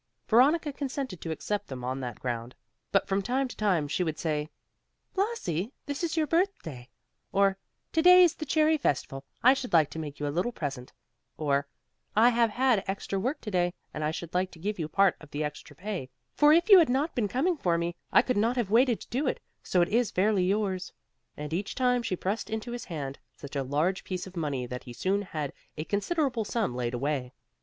Veronica consented to accept them on that ground, but from time to time she would say, "Blasi, this is your birthday," or "To day is the cherry festival, I should like to make you a little present," or "I have had extra work to day, and I should like to give you part of the extra pay, for if you had not been coming for me, I could not have waited to do it, so it is fairly yours;" and each time she pressed into his hand such a large piece of money that he soon had a considerable sum laid away.